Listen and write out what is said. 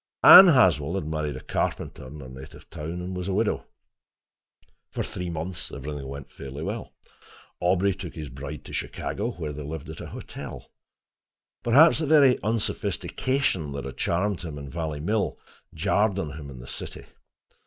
Anne Haswell had married a carpenter in her native town, and was a widow. For three months everything went fairly well. Aubrey took his bride to Chicago, where they lived at a hotel. Perhaps the very unsophistication that had charmed him in Valley Mill jarred on him in the city.